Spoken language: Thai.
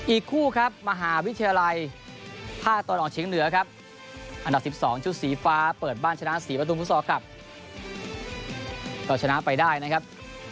อีกคู่ครับมหาวิทยาลัยภาคตะวันออกเชียงเหนือครับอันดับ๑๒ชุดสีฟ้าเปิดบ้านชนะ๔ประตูฟุตซอลครับก็ชนะไปได้นะครับ